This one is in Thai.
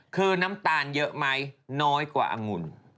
คือน้ำตาลเยอะไหมน้อยกว่าองุ่น